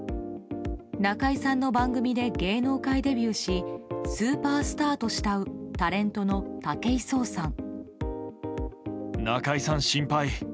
中居さんの番組で芸能界デビューしスーパースターと慕うタレントの武井壮さん。